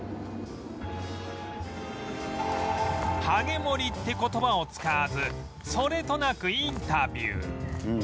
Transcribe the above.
「はげ盛」って言葉を使わずそれとなくインタビュー